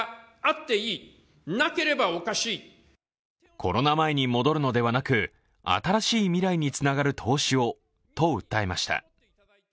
コロナ前に戻るのではなく、新しい未来につながる投資をと訴えました。